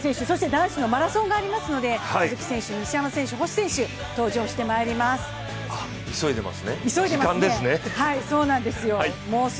男子のマラソンありますので鈴木選手、西山選手、星選手が登場してきます。